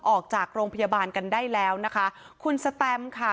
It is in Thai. ออกจากโรงพยาบาลกันได้แล้วนะคะคุณสแตมค่ะ